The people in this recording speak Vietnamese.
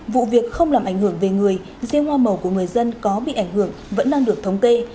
vụ việc không làm ảnh hưởng về người riêng hoa màu của người dân có bị ảnh hưởng vẫn đang được thống kê